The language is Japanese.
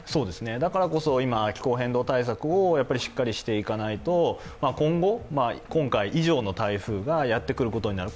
だからこそ今、気候変動対策をしっかりしていかないと今後、今回以上の台風がやってくることになる。